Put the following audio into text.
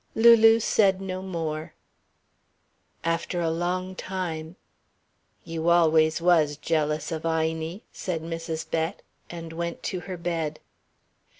Lulu said no more. After a long time: "You always was jealous of Inie," said Mrs. Bett, and went to her bed.